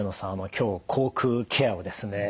今日口腔ケアをですね